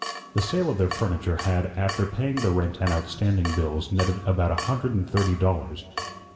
The sale of their furniture had, after paying the rent and outstanding bills, netted about a hundred and thirty dollars.